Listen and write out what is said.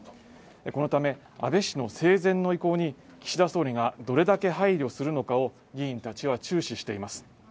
このため安倍氏の生前の意向に岸田総理がどれだけ配慮するのかを議員たちは注視しています